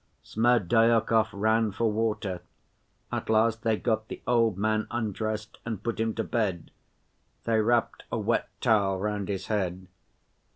Smerdyakov ran for water. At last they got the old man undressed, and put him to bed. They wrapped a wet towel round his head.